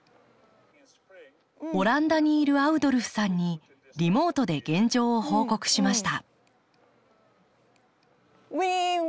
オランダにいるアウドルフさんにリモートで現状を報告しました。